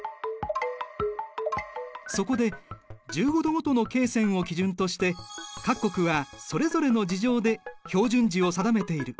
そこで１５度ごとの経線を基準として各国はそれぞれの事情で標準時を定めている。